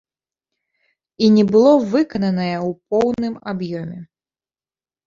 І не было выкананае ў поўным аб'ёме.